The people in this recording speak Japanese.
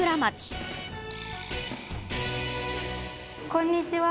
こんにちは。